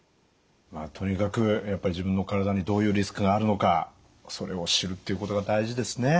とにかくやっぱり自分の体にどういうリスクがあるのかそれを知るっていうことが大事ですね。